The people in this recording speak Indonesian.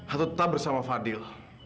atau tetap bersama fadil